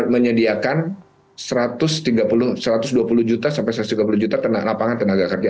menyediakan satu ratus dua puluh juta sampai satu ratus tiga puluh juta lapangan tenaga kerja